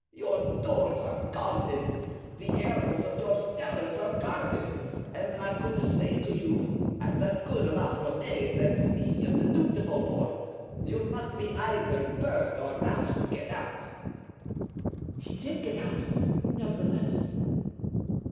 Your doors are guarded, the airholes of your cellars are guarded, and I could say to you, as that good La Ramee said to me of the Duc de Beaufort, you must be either bird or mouse to get out." "He did get out, nevertheless."